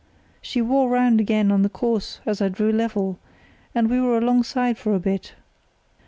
She wore round again on the course as I drew level, and we were alongside for a bit.